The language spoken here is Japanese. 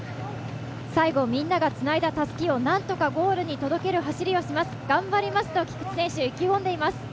最後、みんながつないだたすきを何とかゴールに届ける走りをします、頑張りますと菊地選手、意気込んでいます。